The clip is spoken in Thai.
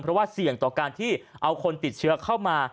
เพราะว่าเสี่ยงต่อการที่เอาคนติดเชื้อเข้ามา